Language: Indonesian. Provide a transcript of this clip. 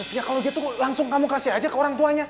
ya kalau gitu langsung kamu kasih aja ke orang tuanya